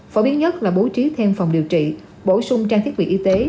phổ biến nhất là bố trí thêm phòng điều trị bổ sung trang thiết bị y tế